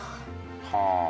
はあ。